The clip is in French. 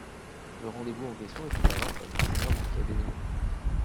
Le rendez-vous en question était à Vincennes ; c'est maman qui a deviné.